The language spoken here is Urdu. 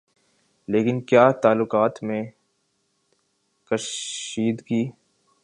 لیکن کیا تعلقات میں کشیدگی